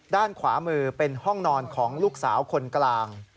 ด้านขวามือเป็นห้องนอนของลูกสาวคนกลาง